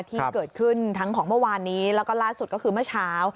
ที่เกิดขึ้นทั้งของเมื่อวานนี้แล้วก็ล่าสุดก็คือเมื่อเช้า